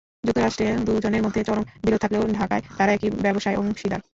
যুক্তরাষ্ট্রে দুজনের মধ্যে চরম বিরোধ থাকলেও ঢাকায় তাঁরা একই ব্যবসায় অংশীদার।